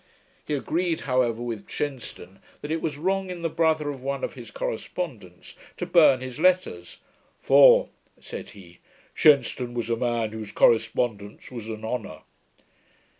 He agreed, however, with Shenstone, that it was wrong in the brother of one of his correspondents to burn his letters; 'for,' said he, 'Shenstone was a man whose correspondence was an honour.'